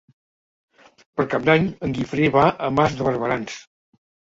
Per Cap d'Any en Guifré va a Mas de Barberans.